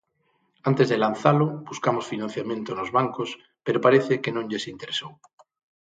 Antes de lanzalo buscamos financiamento nos bancos, pero parece que non lles interesou.